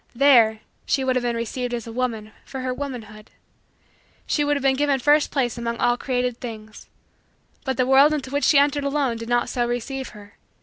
There, she would have been received as a woman for her womanhood; she would have been given first place among all created things. But the world into which she entered alone did not so receive her.